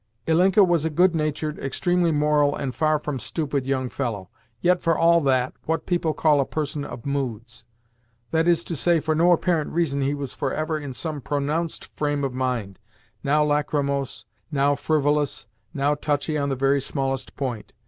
Ilinka was a good natured, extremely moral, and far from stupid young fellow; yet, for all that, what people call a person of moods. That is to say, for no apparent reason he was for ever in some PRONOUNCED frame of mind now lachrymose, now frivolous, now touchy on the very smallest point.